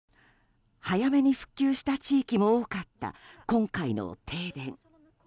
早めに復旧した地域も多かった今回の停電。